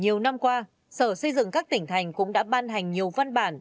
nhiều năm qua sở xây dựng các tỉnh thành cũng đã ban hành nhiều văn bản